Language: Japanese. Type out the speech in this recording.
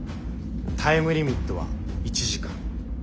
タイムリミットは１時間。